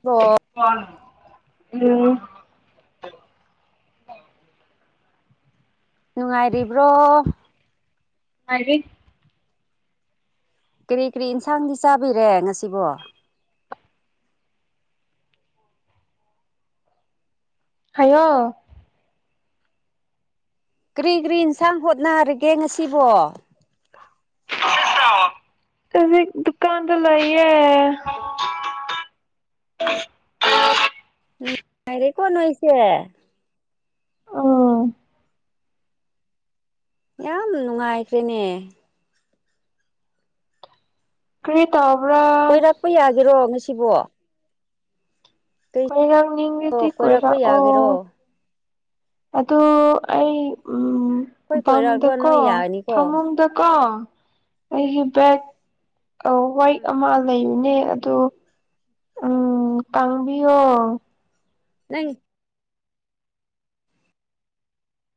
ꯕꯣ ꯀ ꯎꯝ ꯅꯨꯡꯉꯥꯏꯔꯤꯕ꯭ꯔꯣ ꯃꯥꯦ ꯀꯔꯤ ꯀꯔꯤ ꯏꯟꯁꯥꯡꯗꯤ ꯆꯥꯕꯤꯔꯦ ꯉꯁꯤꯕꯣ ꯍꯥꯏꯌꯣ ꯀꯔꯤ ꯀ꯭ꯔꯤ ꯏꯟꯁꯥꯡ ꯍꯣꯠꯅꯔꯒꯦ ꯉꯁꯤꯕꯣ ꯑ ꯁꯥ ꯑꯖꯤ ꯗꯨꯀꯥꯟ ꯇ ꯂꯥꯏꯌꯦ [inaudible] ꯅꯨꯡꯉꯥꯏꯔꯦꯀꯣ ꯅꯣꯏꯁꯦ ꯑ ꯌꯥꯝ ꯅꯨꯡꯉꯥꯏꯈ꯭ꯔꯦꯅꯦ ꯀ꯭ꯔꯤ ꯇꯧ ꯀꯣꯏꯔꯥꯛꯄ ꯌꯥꯒꯦꯔꯣ ꯉꯁꯤꯕꯣ ꯀꯩꯁꯨ ꯀꯣꯏꯔꯛ ꯅꯤꯡꯔꯗꯤ ꯀꯣꯏꯔꯛꯄ ꯀꯣꯏꯔꯛ ꯑꯣ ꯌꯥꯒꯦꯔꯣ ꯑꯗꯣ ꯑꯩ ꯎꯝ ꯎꯝ ꯑꯩꯈꯣꯏ ꯀꯣꯏꯔꯛꯑꯒ ꯕꯝꯗꯀꯣ ꯅꯣꯏ ꯌꯥꯅꯤꯀꯣ ꯐꯃꯨꯡꯗꯀꯣ ꯑꯩꯒꯤ ꯕꯦꯛ ꯑ ꯋꯥꯏꯠ ꯎꯝ ꯑꯃ ꯂꯩꯕꯅꯦ ꯑꯗꯣ ꯎꯝ ꯀꯥꯡꯕꯤꯌꯣ ꯅꯪ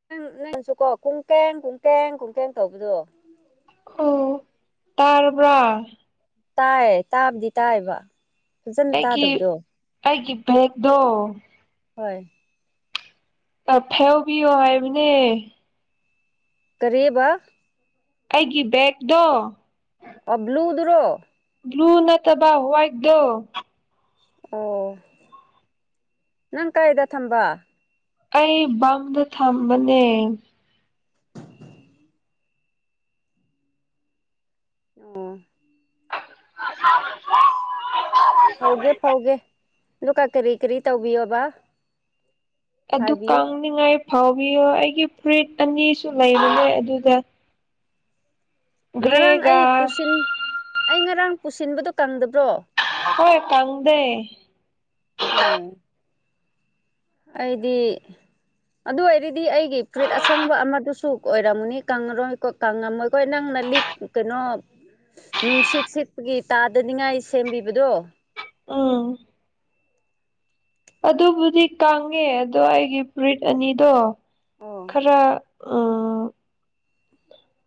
ꯅꯪ ꯅꯪꯁꯨꯀꯣ ꯀꯨꯡꯀꯦꯡ ꯀꯨꯡꯀꯦꯡ ꯀꯨꯡꯀꯦꯡ ꯇꯧꯕꯗꯣ ꯑꯣ ꯇꯥꯔꯕ ꯇꯥꯏ ꯇꯥꯕꯗꯤ ꯇꯥꯏꯕ ꯐꯖꯅ ꯑꯩꯀꯤ ꯇꯥꯗꯕꯗꯣ ꯑꯩꯒꯤ ꯄ꯭ꯂꯦꯛꯗꯣ ꯍꯣꯏ ꯑ ꯐꯦꯜꯕꯤꯌꯣ ꯍꯥꯏꯕꯅꯦ ꯀꯔꯤꯕꯥ ꯑꯩꯒꯤ ꯕꯦꯒꯗꯣ ꯑꯕ꯭ꯂꯨꯗꯨꯔꯣ ꯕ꯭ꯂꯨ ꯅꯠꯇꯕ ꯍ꯭ꯋꯥꯏꯠꯗꯣ ꯑꯣ ꯅꯪ ꯀꯥꯏꯗ ꯊꯝꯕ ꯑꯩ ꯕꯝꯗ ꯊꯝꯕꯅꯦ ꯑꯣ [inaudible] ꯐꯧꯒꯦ ꯐꯧꯒꯦ ꯗꯨꯀ ꯀꯔꯤ ꯀꯔꯤ ꯇꯧꯕꯤꯌꯣꯕ ꯑꯗꯨ ꯍꯥꯏꯕꯤꯌꯨ ꯀꯪꯅꯤꯡꯉꯥꯏ ꯐꯥꯎꯕꯤꯌꯣ ꯑꯩꯒꯤ ꯐꯨꯔꯤꯠ ꯑꯅꯤꯁꯨ ꯂꯩꯕꯅꯦ ꯑꯗꯨꯗ ꯉꯔꯥꯡ ꯒ꯭ꯔꯦꯒ ꯑꯩ ꯄꯨꯁꯤꯟ ꯑꯩ ꯉꯔꯥꯡ ꯄꯨꯁꯤꯟꯕꯗꯨꯣ ꯀꯪꯗꯕ꯭ꯔꯣ ꯍꯣꯏ ꯀꯪꯗꯦ ꯑ ꯑꯩꯗꯤ ꯑꯗꯨ ꯑꯣꯏꯔꯗꯤ ꯑꯩꯒꯤ ꯐꯨꯔꯤꯠ ꯑꯁꯪꯕ ꯑꯃꯗꯨꯁꯨ ꯁꯨꯛ ꯑꯣꯏꯔꯝꯃꯨꯅꯤ ꯀꯪꯉꯔꯣꯏ ꯀꯣ ꯀꯪꯉꯝꯃꯣꯏꯀꯣꯏ ꯅꯪꯅ ꯂꯤꯠꯀꯅꯣ ꯅꯨꯡꯁꯤꯠ ꯁꯤꯠꯄꯒꯤ ꯇꯥꯗꯅꯤꯡꯉꯥꯏ ꯁꯦꯝꯕꯤꯕꯗꯣ ꯑ ꯑꯗꯨꯕꯨꯗꯤ ꯀꯪꯉꯦ ꯑꯗꯣ ꯑꯩꯒꯤ ꯐꯔꯤꯠ ꯑꯅꯤꯗꯣ ꯑꯣ ꯈꯔ ꯑ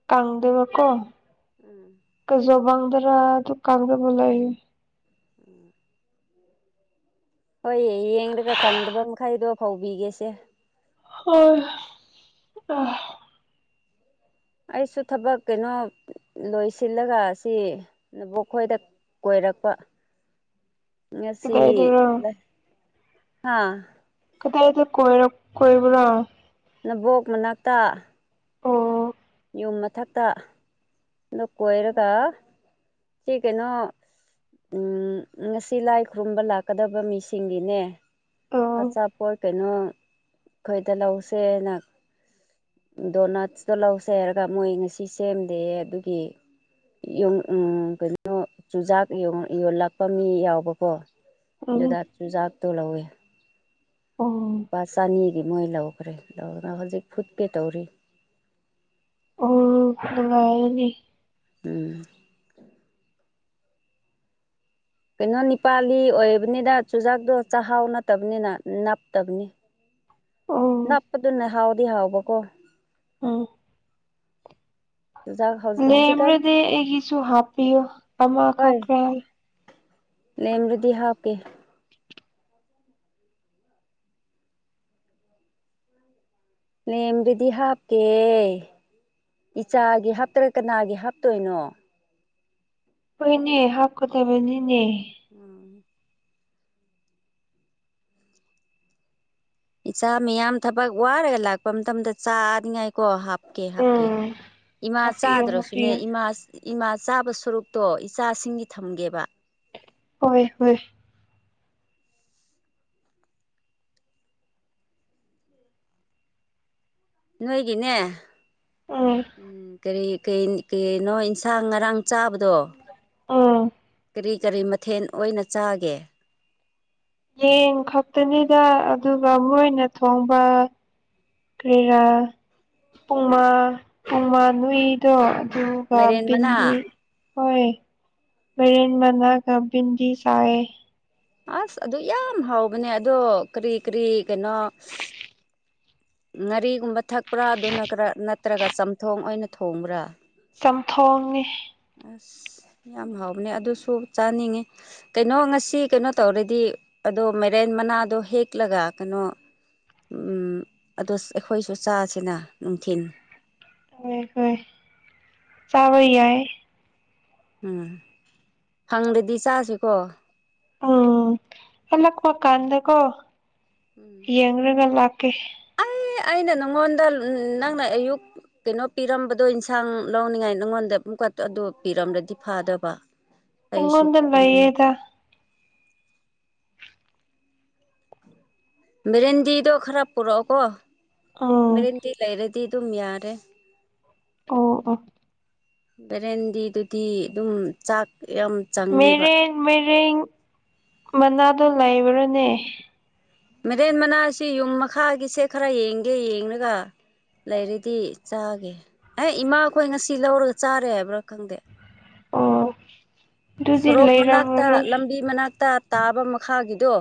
ꯀꯪꯗꯕꯀꯣ ꯎꯝ ꯀꯖꯣꯕꯪꯗ ꯔꯥ ꯗꯨ ꯀꯪꯗꯕ ꯂꯩꯑꯦ ꯍꯣꯏ ꯌꯦꯡꯔꯒ ꯀꯪꯗꯕ ꯃꯈꯩꯗꯣ ꯐꯧꯕꯤꯒꯦꯁꯦ ꯍꯣꯏ ꯑꯥꯍ ꯑꯩꯁꯨ ꯊꯕꯛ ꯀꯩꯅꯣ ꯂꯣꯏꯁꯤꯜꯂꯒ ꯑꯁꯤ ꯅꯕꯣꯛ ꯈꯣꯏꯗ ꯀꯣꯏꯔꯛꯄ ꯉꯁꯤ ꯀꯗꯥꯏꯗꯔ ꯂ ꯍꯥꯥ ꯀꯗꯥꯏꯗ ꯀꯣꯏꯔꯛ ꯀꯣꯏꯕꯔꯥ ꯅꯕꯣꯛ ꯃꯅꯥꯛꯇ ꯑꯣ ꯌꯨꯝ ꯃꯊꯛꯇ [unintelligible] ꯅ ꯀꯣꯏꯔꯒ ꯁꯤ ꯀꯩꯅꯣ ꯎꯝ ꯉꯁꯤ ꯂꯥꯏ ꯈꯨꯔꯨꯝꯕ ꯂꯥꯛꯀꯗꯕ ꯃꯤꯁꯤꯡꯒꯤꯅꯦ ꯑꯣ ꯑꯆꯥꯄꯠ ꯀꯩꯅꯣ ꯑꯩꯈꯣꯏꯗ ꯂꯧꯁꯦꯅ ꯗꯣꯅꯠꯁꯇ ꯂꯧꯁꯦ ꯁꯔꯒ ꯃꯣꯏ ꯉꯁꯤ ꯁꯦꯝꯗꯦ ꯑꯗꯨꯒꯤ ꯎ ꯀꯩꯅꯣ ꯆꯨꯖꯥꯛ ꯌꯣꯜꯂꯛꯄ ꯃꯤ ꯌꯥꯎꯕꯀꯣ ꯎꯝ ꯗ ꯆꯖꯕ ꯊꯣ ꯂꯧ ꯑꯣ ꯂꯨꯄꯥ ꯆꯅꯤꯒꯤ ꯃꯣꯏ ꯂꯧꯈ꯭ꯔꯦ ꯂꯧꯗꯅ ꯍꯧꯖꯤꯛ ꯐꯨꯠꯀꯦ ꯇꯧꯔꯤ ꯑꯣ ꯂꯉꯅꯤ ꯎꯝ ꯀꯩꯅꯣ ꯅꯤꯄꯥꯂꯤ ꯑꯣꯏꯕꯅꯤꯅ ꯆꯨꯖꯥꯛꯇꯣ ꯆꯥꯛꯍꯥꯎ ꯅꯠꯇꯕꯅꯤꯅ ꯅꯞꯇꯕꯅꯤ ꯑꯣ ꯅꯄ ꯑꯗꯨꯅ ꯍꯥꯎꯗꯤ ꯍꯥꯎꯕꯀꯣ ꯑ ꯆꯨꯖꯥꯛ ꯍꯧꯖꯤꯛꯀꯥꯟ ꯂꯦꯝꯕ꯭ꯔꯗꯤ ꯑꯩꯒꯤꯁꯨ ꯍꯥꯞꯄꯤꯌꯨ ꯑꯃꯈꯛꯈ꯭ꯔꯦ ꯅꯦꯃꯗꯤ ꯍꯥꯞꯀꯦ ꯂꯦꯝꯗꯨꯗꯤ ꯍꯥꯞꯀꯦ ꯏꯆꯥꯒꯤ ꯍꯥꯞꯇꯔꯥ ꯀꯅꯥꯒꯤ ꯍꯥꯞꯇꯣꯏꯅꯣ ꯑꯩ ꯍꯣꯏꯅꯦ ꯍꯥꯞꯀꯗꯕꯅꯤꯅꯦ ꯑꯝ ꯏꯆꯥ ꯃꯤꯌꯥꯝ ꯊꯕꯛ ꯋꯥꯔꯒ ꯂꯥꯛꯄ ꯃꯇꯝꯗ ꯆꯥꯅꯤꯡꯉꯥꯏꯀꯣ ꯍꯥꯞꯀꯦ ꯍꯥꯞꯀꯦ ꯎꯝ ꯏꯃꯥ ꯍꯥꯞꯄꯤꯌꯨ ꯆꯥꯗ꯭ꯔꯁꯨꯅꯦ ꯍꯥꯞꯄꯤꯌꯨ ꯏꯃꯥ ꯏꯃꯥ ꯆꯥꯕ ꯁꯔꯨꯛ ꯇꯣ ꯏꯆꯥꯁꯤꯡꯒꯤ ꯊꯝꯒꯦꯕ ꯍꯣꯏ ꯍꯣꯏ ꯅꯣꯏꯒꯤꯅꯦ ꯎꯝ ꯎ ꯀꯔꯤ ꯀꯩꯅꯣ ꯏꯟꯁꯥꯡ ꯉꯔꯥꯡ ꯆꯥꯕꯗꯣ ꯎꯝ ꯀꯔꯤ ꯀꯔꯤ ꯃꯊꯦꯜ ꯑꯣꯏꯅ ꯆꯥꯒꯦ ꯌꯦꯟ ꯈꯛꯇꯅꯤꯗ ꯑꯗꯨꯒ ꯃꯣꯏꯅ ꯊꯣꯡꯕ ꯀꯦꯔꯥ ꯄꯨꯡꯃꯥ ꯄꯃꯥ ꯅꯨꯏꯗꯣ ꯇꯒ ꯃꯥꯏꯔꯦꯟ ꯃꯅꯥ ꯄꯗꯤ ꯍꯣꯏ ꯃ ꯃꯅꯥꯕꯤꯟꯗꯤꯁꯥꯏꯦ [inaudible] ꯑꯁ ꯑꯗꯨ ꯌꯥꯝ ꯍꯥꯎꯕꯅꯦ ꯑꯗꯣ ꯀꯔꯤ ꯀꯔꯤ ꯀꯩꯅꯣ ꯉꯥꯔꯤꯒꯨꯝꯕ ꯊꯛꯄ꯭ꯔꯥ ꯑꯗꯨꯅ ꯈꯔ ꯅꯠꯇ꯭ꯔꯒ ꯆꯝꯊꯣꯡ ꯑꯣꯏꯅ ꯊꯣꯡꯕ꯭ꯔꯥ ꯆꯝꯊꯣꯡꯅꯤ ꯑꯁ ꯌꯥꯝ ꯍꯥꯎꯕꯅꯦ ꯑꯗꯨꯁꯨ ꯆꯥꯅꯤꯡꯉꯤ ꯀꯩꯅꯣ ꯉꯁꯤ ꯀꯩꯅꯣ ꯇꯧꯔꯗꯤ ꯑꯗꯣ ꯃꯦꯔꯦꯟ ꯃꯅꯥꯗꯣ ꯍꯦꯛꯂꯒ ꯀꯩꯅꯣ ꯎ ꯑꯗꯨ ꯑꯩꯈꯣꯏꯁꯨ ꯆꯥꯁꯤꯅ ꯅꯨꯡꯊꯤꯟ ꯍꯦ ꯍꯣꯏ ꯆꯕ ꯌꯥꯏ ꯎꯝ ꯐꯪꯗ꯭ꯔꯗꯤ ꯆꯁꯤꯀꯣ ꯎꯝ ꯍꯜꯂꯛꯄ ꯀꯥꯟꯗꯀꯣ ꯎꯝ ꯌꯦꯡꯂꯒ ꯂꯥꯛꯀꯦ [unintelligible] ꯑꯦ ꯑꯩꯅ ꯅꯪꯉꯣꯟꯗ ꯅꯪꯅ ꯑꯌꯨꯛ ꯀꯩꯅꯣ ꯄꯤꯔꯝꯕꯗꯣ ꯏꯟꯁꯥꯡ ꯂꯧꯅꯤꯡꯉꯥꯏ ꯅꯪꯉꯣꯟꯗ ꯀ ꯑꯗꯨ ꯄꯤꯔꯝꯂꯗꯤ ꯐꯥꯗꯕ ꯑꯩꯁꯨ ꯏꯉꯣꯗ ꯈꯪꯅꯤ ꯂꯩꯌꯦꯗꯥ ꯕꯔꯦꯟꯗꯤꯗꯣ ꯈꯔ ꯄꯨꯔꯛꯑꯣꯀꯣ ꯎꯝ ꯕꯔꯦꯟꯗꯤ ꯂꯩꯔꯗꯤ ꯇꯤ ꯑꯗꯨꯝ ꯌꯥꯔꯦ ꯑꯣ ꯑꯣ ꯕꯦꯔꯦꯟꯗꯤꯗꯨꯗꯤ ꯑꯗꯨꯝ ꯆꯥꯛ ꯌꯥꯝ ꯆꯪꯉꯦꯕ ꯃꯩꯔꯦꯡ ꯃꯅꯥꯗꯣ ꯂꯩꯕ꯭ꯔꯥꯅꯦ ꯃꯦꯔꯦꯟ ꯃꯅꯥꯁꯤ ꯌꯨꯝ ꯃꯈꯥꯒꯤꯁꯦ ꯈꯔ ꯌꯦꯡꯒꯦ ꯌꯦꯡꯑꯒ ꯂꯩꯔꯗꯤ ꯆꯥꯒꯦ ꯑꯦ ꯏꯃꯥꯈꯣꯏ ꯉꯁꯤ ꯂꯧꯔꯒ ꯆꯥꯔꯦ ꯍꯥꯏꯕ꯭ꯔꯥ ꯈꯪꯗꯦ ꯑꯣ ꯑꯗꯨꯗꯤ ꯁꯣꯔꯣꯛ ꯃꯅꯥꯛꯇ ꯂꯩꯔꯝꯃꯔꯣꯏ ꯂꯝꯕꯤ ꯃꯅꯥꯛꯇ ꯇꯥꯕ ꯃꯈꯥꯒꯤꯗꯣ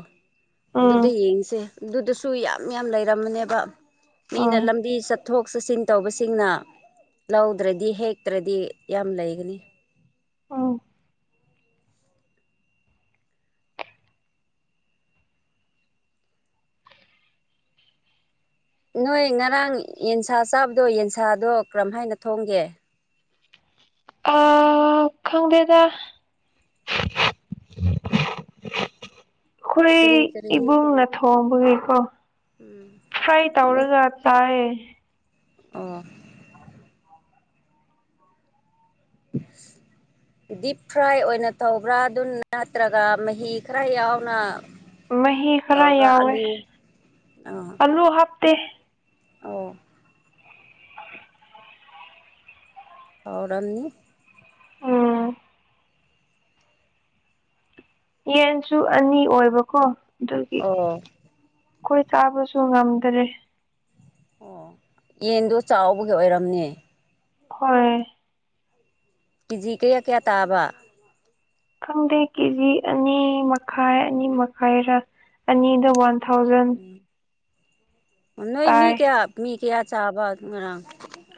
ꯑꯗꯨꯗ ꯎꯝ ꯌꯦꯡꯁꯦ ꯑꯗꯨꯗꯁꯨ ꯌꯥꯝ ꯌꯥꯝ ꯂꯩꯔꯝꯝꯕꯅꯦꯕ ꯃꯤꯅ ꯎꯝ ꯂꯝꯕꯤ ꯆꯠ ꯆꯠꯊꯣꯛ ꯆꯠꯁꯤꯟ ꯇꯧꯕꯁꯤꯡꯅ ꯂꯧꯗ꯭ꯔꯗꯤ ꯍꯦꯛꯇ꯭ꯔꯗꯤ ꯌꯥꯝ ꯂꯩꯒꯅꯤ ꯑꯝ ꯅꯣꯏ ꯉꯔꯥꯡ ꯌꯦꯟꯁꯥ ꯆꯥꯕꯗꯣ ꯌꯦꯟꯁꯥꯗꯣ ꯀꯔꯝ ꯍꯥꯏꯅ ꯊꯣꯡꯒꯦ ꯑ ꯈꯪꯗꯦꯗ ꯑꯩꯈꯣꯢ ꯀꯔꯤ ꯀꯔꯤ ꯏꯕꯨꯡꯅ ꯊꯣꯡꯕꯒꯤꯀꯣ ꯎꯝ ꯐ꯭ꯔꯥꯏ ꯇꯧꯔꯒ ꯆꯥꯏꯌꯦ ꯑꯣ [unintelligible] ꯗꯤꯞ ꯐ꯭ꯔꯥꯏ ꯑꯣꯏꯅ ꯇꯧꯕ꯭ꯔꯥ ꯑꯗꯨ ꯅꯠꯇ꯭ꯔꯒ ꯃꯍꯤ ꯈꯔ ꯌꯥꯎꯅ ꯃꯍꯤ ꯈꯔ ꯇꯧꯕ꯭ꯔꯥ ꯌꯥꯎꯋꯦ ꯑꯂꯨ ꯑꯥ ꯑꯂꯨ ꯍꯥꯞꯇꯦ ꯑꯣ [inaudible] ꯍꯧꯔꯝꯅꯤ ꯑꯥ ꯌꯦꯟꯁꯨ ꯑꯅꯤ ꯑꯣꯏꯕꯀꯣ ꯑꯗꯨꯒꯤ ꯑꯣ ꯑꯩꯈꯣꯏ ꯆꯥꯕꯁꯨ ꯉꯝꯗ꯭ꯔꯦ ꯑꯣ ꯌꯦꯟꯗꯣ ꯆꯥꯎꯕꯒꯤ ꯑꯣꯏꯔꯝꯅꯦ ꯍꯣꯏ ꯀꯦꯖꯤ ꯀꯌꯥ ꯀꯌꯥ ꯇꯥꯕ ꯈꯪꯗꯦ ꯀꯦꯖꯤ ꯑꯅꯤ ꯃꯈꯥꯏ ꯑꯅꯤ ꯃꯈꯥꯏꯔꯥ ꯑꯅꯤꯗ ꯋꯥꯟ ꯊꯥꯎꯖꯟ ꯅꯣꯏ ꯃꯤ ꯇꯥꯏ ꯀꯌꯥ ꯃꯤ ꯀꯌꯥ ꯆꯥꯕ ꯉꯔꯥꯡ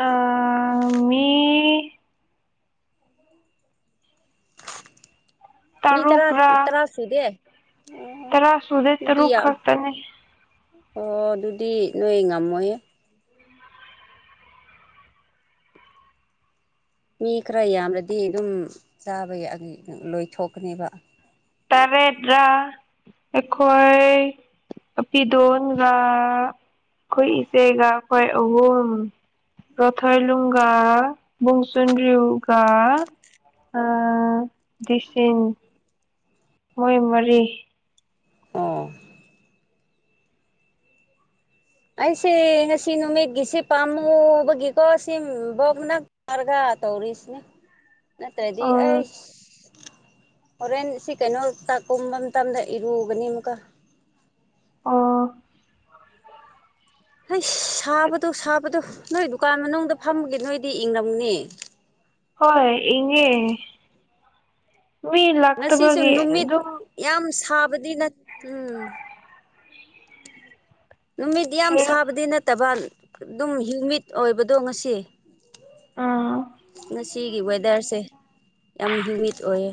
ꯑꯥ ꯃꯤ ꯃꯤ ꯇꯔꯥ ꯇꯔꯥꯥ ꯁꯨꯗꯦ ꯑꯣ ꯇꯥꯁꯨꯗꯦ ꯑꯗꯨꯗꯤ ꯇꯥꯔꯨꯛ ꯌꯥꯝ ꯈꯛꯇꯅꯦ ꯑꯣ ꯑꯗꯨꯗꯤ ꯅꯣꯏ ꯉꯝꯃꯣꯢꯍꯦ ꯃꯤ ꯈꯔ ꯌꯥꯝꯔꯗꯤ ꯑꯗꯨꯝ ꯆꯥꯕ ꯌꯥ ꯂꯣꯏꯊꯣꯛꯀꯅꯦꯕ ꯇꯔꯗ꯭ꯔꯥ ꯑꯩꯈꯣꯏ ꯄꯤꯗꯣꯣꯟꯒ ꯑꯩꯈꯣꯏ ꯏꯆꯦꯒ ꯑꯩꯈꯣꯏ ꯑꯍꯨꯝ ꯔꯊꯥꯏ ꯂꯨꯡꯒꯥ ꯨꯡꯁꯟꯔꯤꯌꯒꯥ ꯑꯁꯟ ꯃꯣꯏ ꯃꯔꯤ ꯑꯣ ꯑꯩꯁꯦ ꯉꯁꯤ ꯅꯨꯃꯤꯠꯒꯤꯁꯤꯦ ꯄꯥꯝꯃꯨꯕꯒꯤꯀꯣ ꯁꯤ ꯕꯣꯛꯅꯔꯒ ꯇꯧꯔꯤꯁꯅꯦ ꯎ ꯅꯠꯇ꯭ꯔꯗꯤ ꯑꯩ ꯍꯣꯔꯦꯟ ꯁꯤ ꯀꯩꯅꯣ ꯇꯥꯛ ꯀꯨꯝꯕ ꯃꯇꯝꯗ ꯏꯔꯨꯒꯅꯤ ꯑꯃꯨꯛꯀ ꯑꯣ ꯍꯣꯏ ꯁꯥꯕꯗꯣ ꯁꯥꯕꯗꯣ ꯅꯣꯏ ꯗꯨꯀꯥꯟ ꯃꯅꯨꯡꯗ ꯐꯝꯃꯒꯤꯦ ꯅꯣꯏꯗꯤ ꯏꯪꯡꯂꯝꯅꯦ ꯍꯣꯏ ꯏꯉꯦ ꯃꯤ ꯂꯥꯛꯇꯕꯒꯤ ꯑꯗꯨꯝ ꯗꯤꯅ ꯎꯝ ꯅꯨꯃꯤꯠ ꯌꯥꯝ ꯍꯥꯏꯔꯣ ꯁꯥꯕꯗꯤ ꯅꯠꯇꯕ ꯑꯗꯨꯝ ꯍ꯭ꯌꯨꯃꯤꯠ ꯑꯣꯏꯕꯗꯣ ꯉꯁꯤ ꯑꯥ ꯉꯁꯤꯒꯤ ꯋꯦꯗꯔꯁꯦ ꯌꯥꯝ ꯍꯤꯌꯨꯃꯤꯠ ꯑꯣꯏꯌꯦ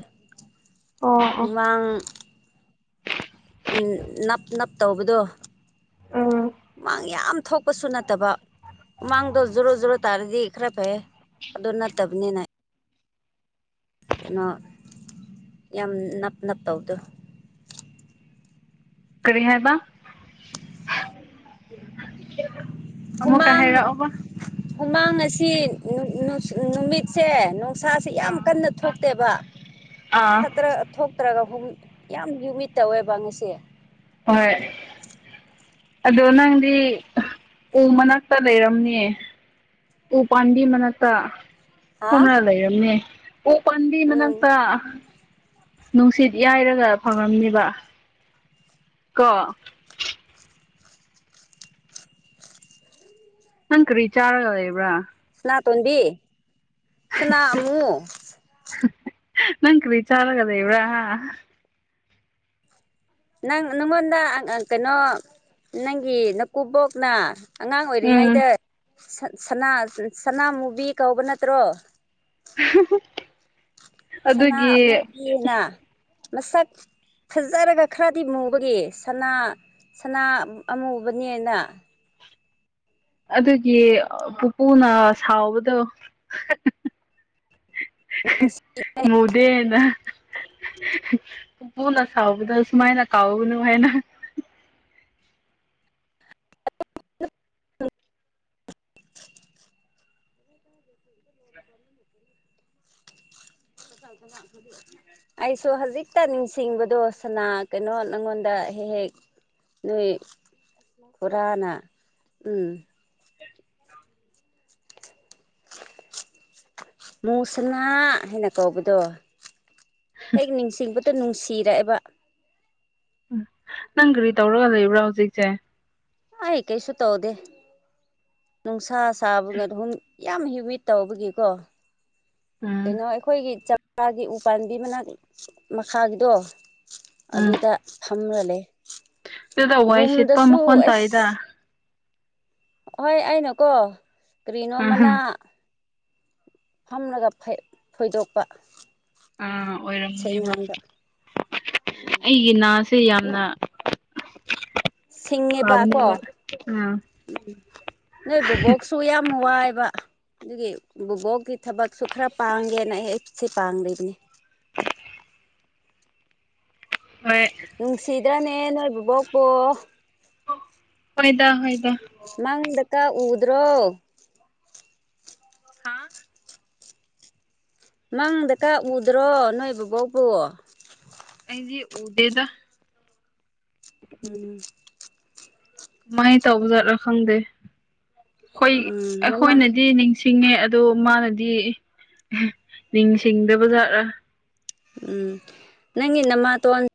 ꯑꯣ ꯑꯣ ꯎꯃꯥꯡ ꯅꯞ ꯅꯞ ꯇꯧꯕꯗꯣ ꯑꯥ ꯍꯨꯃꯥꯡ ꯌꯥꯝ ꯊꯣꯛꯄꯁꯨ ꯅꯠꯇꯕ ꯃꯃꯥꯡꯗꯣ ꯖꯣꯔꯣ ꯖꯣꯔꯣ ꯇꯥꯔꯗꯤ ꯈꯔ ꯐꯩ ꯑꯗꯨ ꯅꯠꯇꯕꯅꯤꯅ ꯀꯩꯅꯣ ꯌꯥꯝ ꯅꯞ ꯅꯞ ꯇꯧꯗꯣ ꯀꯔꯤ ꯍꯥꯏꯕ ꯑꯃꯨꯛꯀ ꯍꯥꯏꯔꯛꯑꯣꯕ ꯍꯃꯥꯡ ꯑꯁꯤ ꯅꯨꯃꯤꯠꯁꯦ ꯎꯁꯥꯁꯦ ꯌꯥꯝ ꯀꯟꯅ ꯊꯣꯛꯇꯦꯕ ꯑꯥ ꯊꯠꯇ꯭ꯔ ꯅꯠꯇ꯭ꯔꯒ ꯍꯍꯨꯝ ꯌꯥꯝ ꯌꯨꯅꯤꯠ ꯇꯧꯋꯦꯕ ꯑꯁꯦ ꯍꯣꯏ ꯑꯗꯣ ꯅꯪꯗꯤ ꯎ ꯃꯅꯥꯛꯇ ꯂꯩꯔꯝꯅꯤ ꯎ ꯄꯥꯝꯕꯤ ꯃꯅꯥꯛꯇ ꯍꯥ ꯈꯣꯔ ꯂꯩꯔꯝꯅꯦ ꯎ ꯄꯥꯝꯕꯤ ꯎꯝ ꯃꯅꯥꯛꯇ ꯅꯨꯡꯁꯤꯠ ꯌꯥꯏꯔꯒ ꯐꯪꯉꯝꯅꯦꯕ ꯀ ꯅꯪ ꯀꯔꯤ ꯆꯥꯔꯒ ꯏꯕ꯭ꯔꯥ ꯁꯅꯥꯇꯣꯟꯕꯤ ꯁꯅꯥ ꯑꯃꯃꯨ ꯅꯪ ꯀꯔꯤ ꯆꯥꯒꯗ ꯏꯕ꯭ꯔꯥ ꯅꯪ ꯅꯉꯣꯟꯗ ꯀꯩꯅꯣ ꯅꯪꯒꯤ ꯅꯀꯨꯕꯣꯛꯅ ꯑꯉꯥꯡ ꯎꯝ ꯑꯣꯏꯔꯤꯉꯩꯗ ꯁꯅꯥꯃꯨꯕꯤ ꯀꯧꯕ ꯅꯠꯇ꯭ꯔꯣ [unintelligible] ꯁꯅꯥ ꯑꯗꯨꯒꯤ ꯑꯃꯅ ꯃꯁꯛ ꯐꯖꯔꯒ ꯈꯔꯗꯤ ꯃꯨꯕꯒꯤ ꯁꯅꯥ ꯁꯅꯥ ꯑꯃꯨꯕꯅꯦꯅ ꯑꯗꯨꯒꯤ ꯄꯨꯄꯨꯅ ꯁꯥꯎꯕꯗꯣ ꯃꯗꯦꯅ ꯄꯨꯄꯨꯅ ꯁꯥꯎꯕꯗ ꯁꯨꯃꯥꯏꯅ ꯀꯥꯎꯅꯨ ꯍꯥꯏꯅ [unintelligible] ꯑ [unintelligible] ꯑꯩꯁꯨ ꯍꯧꯖꯤꯛꯇ ꯅꯤꯡꯁꯤꯡꯕꯗꯣ ꯁꯅꯥ ꯀꯩꯅꯣ ꯅꯪꯉꯣꯟꯗ ꯍꯦꯛ ꯍꯦꯛ ꯅꯣꯏ ꯈꯔꯅꯥ ꯎ [unintelligible] ꯃꯁꯅꯥ ꯍꯟꯅꯀꯣ ꯑꯕꯣꯏꯗ ꯍꯦꯛ ꯅꯤꯡꯁꯤꯡꯕꯗ ꯅꯨꯡꯁꯤꯔꯛꯑꯦꯕ ꯅꯪ ꯀꯔꯤ ꯇꯧꯔꯒ ꯂꯩꯕ꯭ꯔꯥ ꯍꯧꯖꯤꯛꯁꯦ ꯑꯩ ꯀꯩꯁꯨ ꯇꯧꯗꯦ ꯅꯨꯡꯁꯥ ꯁꯥꯕꯒ ꯑꯗꯨꯝ ꯌꯥꯝ ꯍꯤꯋꯤꯠ ꯇꯧꯕꯒꯤꯀꯣ ꯎꯝ ꯀꯩꯅꯣ ꯑꯩꯈꯣꯏꯒꯤ ꯆꯒꯤ ꯎꯄꯥꯥꯝꯕꯤ ꯃꯅꯥꯛ ꯃꯈꯥꯒꯤꯗꯣ ꯎꯝ ꯑꯗꯨꯗ ꯐꯝꯂꯂꯦ ꯑꯗꯨꯗ ꯋꯥꯏꯁꯠꯄ ꯃꯈꯀꯣꯟ ꯇ ꯏꯗ ꯑꯩꯁ ꯍꯣꯏ ꯑꯩꯅꯨꯀꯣ ꯀꯔꯤꯅꯣ ꯃꯅꯥ ꯎꯝ ꯐꯝꯂꯒ ꯊꯣꯏꯗꯣꯛꯄ ꯑ ꯑꯣꯏꯔꯝꯅꯦꯕ ꯑꯩꯒꯤ ꯁꯦ ꯌꯥꯝꯅ ꯁꯤꯡꯉꯦꯕ ꯀꯣ ꯐꯕꯅꯦꯕ ꯑꯥ ꯎꯝ ꯅꯣꯏ ꯕꯕꯣꯛꯁꯨ ꯌꯥꯝ ꯋꯥꯏꯕ ꯑꯗꯨꯒꯤ ꯕꯕꯨꯕꯣꯛꯀꯤ ꯊꯕꯛꯁꯨ ꯈꯔ ꯄꯥꯡꯒꯦꯅ ꯑꯩ ꯑꯩꯁꯦ ꯄꯥꯡꯗ꯭ꯕꯅꯤ ꯍꯣꯏ ꯑꯗꯨ꯭ꯔꯥꯅꯦ ꯅ ꯕꯤꯕꯄꯣ ꯐꯣꯏꯗ ꯍꯣꯏ ꯃꯪꯗꯀ ꯎꯗ꯭ꯔꯣ ꯍꯥꯥ ꯃꯪꯗ ꯀꯥ ꯎꯗ꯭ꯔꯣ ꯅꯣꯏ ꯕꯕꯣꯛꯕ ꯑꯩꯗꯤ ꯎꯗꯦꯗ ꯎꯝ ꯀꯃꯥꯏꯅ ꯇꯧꯕ ꯆꯠꯂꯣ ꯈꯪꯗꯦ ꯑꯩꯈꯣꯏ ꯎꯝ ꯅꯃ ꯑꯩꯈꯣꯏꯅꯗꯤ ꯅꯤꯡ ꯁꯤꯡꯉꯦ ꯑꯗꯣ ꯃꯥꯅꯗꯤ ꯅꯤꯡꯁꯤꯡꯗꯕꯖꯥꯠꯥ ꯎꯝ ꯅꯪ ꯏ ꯅ ꯃꯥ ꯇ